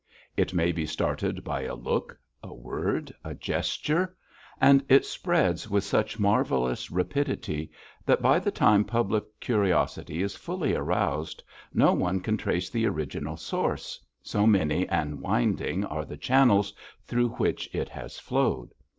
It may be started by a look, a word, a gesture, and it spreads with such marvellous rapidity that by the time public curiosity is fully aroused, no one can trace the original source, so many and winding are the channels through which it has flowed.